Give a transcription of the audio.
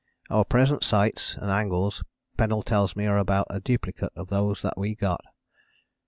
Our present sights and angles Pennell tells me are almost a duplicate of those that we got.